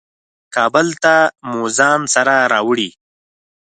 کابل ته مو ځان سره راوړې.